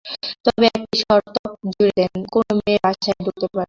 তবে একটি শর্ত জুড়ে দেন, কোনো মেয়ে বাসায় ঢুকতে পারবে না।